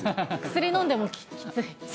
薬飲んでもきつい。